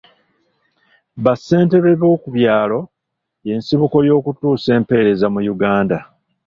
Ba ssentebe b'okubyalo y'ensibuko y'okutuusa empeereza mu Uganda .